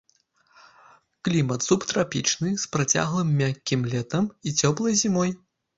Клімат субтрапічны, з працяглым мяккім летам і цёплай зімой.